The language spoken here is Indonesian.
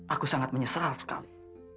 aku sangat menyesal sekali